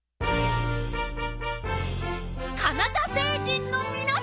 カナタ星人のみなさん！